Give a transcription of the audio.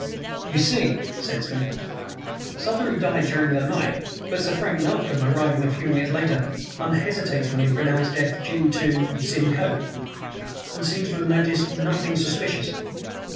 "You see," said Smith, "Southery died during the night, but Sir Frank Narcombe, arriving a few minutes later, unhesitatingly pronounced death to be due to syncope, and seems to have noticed nothing suspicious."